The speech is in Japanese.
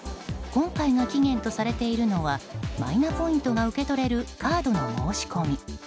今回が期限とされているのはマイナポイントが受け取れるカードの申し込み。